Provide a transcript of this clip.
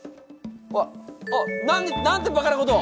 あっあっなんてバカなことを！